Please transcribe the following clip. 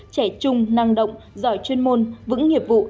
trẻ chung năng động giỏi chuyên môn vững nghiệp vụ